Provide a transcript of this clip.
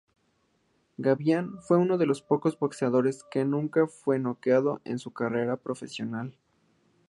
Gavilán fue de los pocos boxeadores que nunca fue noqueado en su carrera profesional.